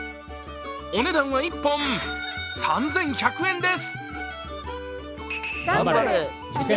お値段は１本３１００円です。